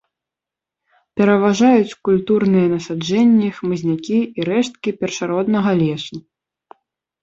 Пераважаюць культурныя насаджэнні, хмызнякі і рэшткі першароднага лесу.